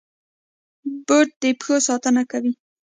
بوټ د پښو ساتنه کوي.